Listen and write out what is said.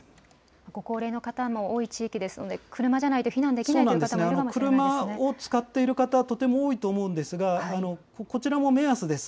ご高齢の方も多い地域ですので、車じゃないと避難できないと車を使っている方、とても多いと思うんですが、こちらも目安です。